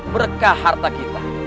berkah harta kita